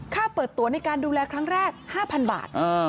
ค่าเปิดตัวในการดูแลครั้งแรก๕๐๐๐บาท